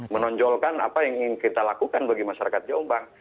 menonjolkan apa yang ingin kita lakukan bagi masyarakat jombang